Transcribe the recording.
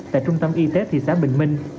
tại trung tâm y tế thị xã bình minh